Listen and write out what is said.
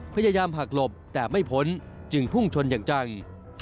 พยายามหักหลบแต่ไม่พ้นจึงพุ่งชนอย่างจัง